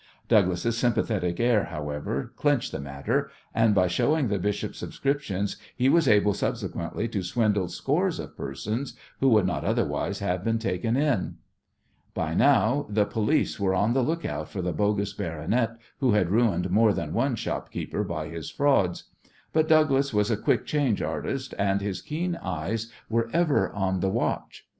Douglas' sympathetic air, however, clinched the matter, and by showing the bishops' subscriptions he was able subsequently to swindle scores of persons who would not otherwise have been taken in. By now the police were on the look out for the bogus baronet who had ruined more than one shopkeeper by his frauds. But Douglas was a quick change artist, and his keen eyes were ever on the watch.